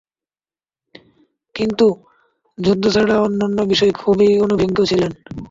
কিন্তু যুদ্ধ ছাড়া অন্যান্য বিষয়ে খুবই অনভিজ্ঞ ছিলেন।